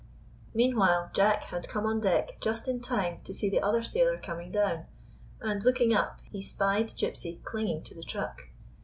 Meanwhile Jack had come on deck just in time to see the other sailor coming down, and, looking up, he spied Gypsy clinging to the truck.